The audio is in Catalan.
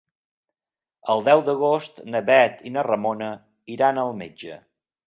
El deu d'agost na Bet i na Ramona iran al metge.